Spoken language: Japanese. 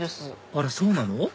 あらそうなの？